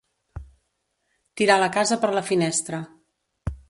Tirar la casa per la finestra.